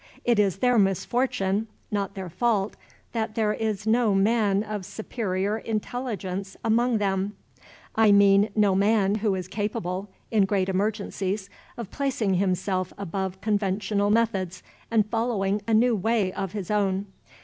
It is their misfortune, not their fault, that there is no man of superior intelligence among them I mean no man who is capable, in great emergencies, of placing himself above conventional methods, and following a new way of his own.